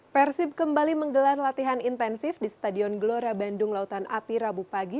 persib kembali menggelar latihan intensif di stadion gelora bandung lautan api rabu pagi